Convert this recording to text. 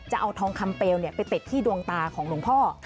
จะเอาทองคำเปลวไปติดที่ดวงตาของหลวงพ่อ